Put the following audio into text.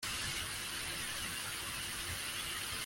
Inyama ayidonya mu maraka hirya